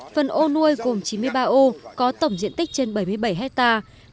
phần ô nuôi gồm chín mươi ba ô có tổng diện tích trên bảy mươi bảy hectare